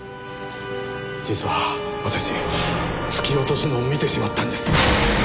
実は私突き落とすのを見てしまったんです。